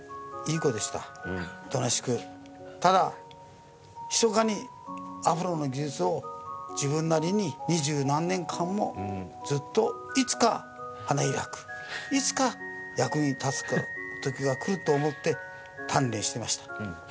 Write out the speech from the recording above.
おとなしくただひそかにアフロの技術を自分なりに二十何年間もずっといつか花開くいつか役に立つ時が来ると思って鍛錬してました。